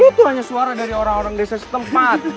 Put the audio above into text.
itu hanya suara dari orang orang desa setempat